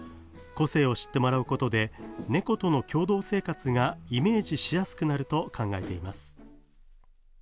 個性を知ってもらうことで、猫との共同生活がイメージしやすくなると考えています。